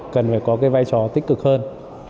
cần phải có cái vai trò tích cực hơn